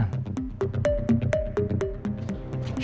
aku mau ke rumah